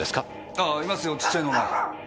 あぁいますよ。ちっちゃいのが。